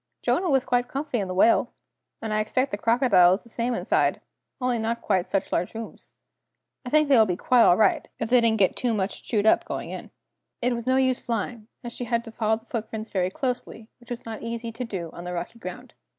"Jonah was quite comfy in the whale! And I expect the crocodile is the same inside, only not quite such large rooms! I think they will be quite all right, if they didn't get too much chewed up going in!" It was no use flying, as she had to follow the footprints very closely, which was not easy to do on the rocky ground.